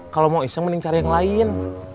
kalau mau iseng mending cari yang lain